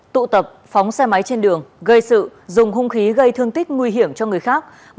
tụ tập phóng xe máy trên đường gây sự dùng hung khí gây thương tích nguy hiểm cho người khác